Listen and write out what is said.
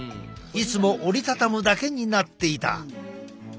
いつも折りたたむだけになっていた。